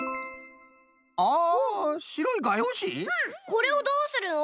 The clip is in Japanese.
これをどうするの？